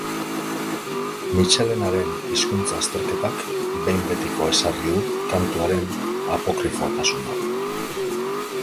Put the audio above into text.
Mitxelenaren hizkuntz azterketak behin betiko ezarri du kantuaren apokrifotasuna.